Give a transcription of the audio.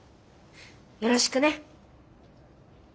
よろしくね。